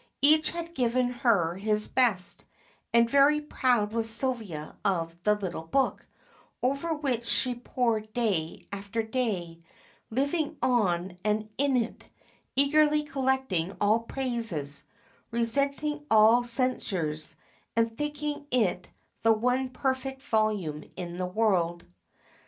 Each had given her his best, and very proud was Sylvia of the little book, over which she pored day after day, living on and in it, eagerly collecting all praises, resenting all censures, and thinking it the one perfect volume in the world.